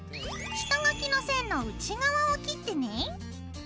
下書きの線の内側を切ってね。